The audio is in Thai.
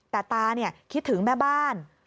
แต่ตาคิดถึงแม่บ้าน